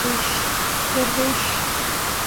دروېش